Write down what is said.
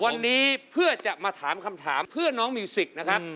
วันนี้เพื่อจะมาถามคำถามเพื่อน้องมิวสิกนะครับ